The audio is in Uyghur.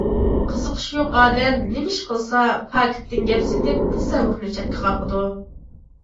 قىزىقىشى يوق ئادەم نېمە ئىش قىلسا، پاكىتتىن گەپ سېتىپ، تەسەۋۋۇرنى چەتكە قاقىدۇ.